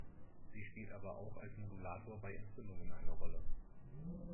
Sie spielt aber auch als Modulator bei Entzündungen eine Rolle.